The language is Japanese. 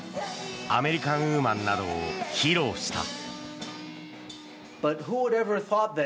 「アメリカン・ウーマン」などを披露した。